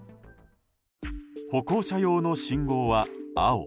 歩行者用の信号は、青。